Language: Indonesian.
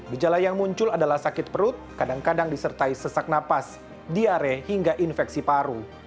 gejala yang muncul adalah sakit perut kadang kadang disertai sesak napas diare hingga infeksi paru